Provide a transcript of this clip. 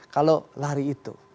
kalau lari itu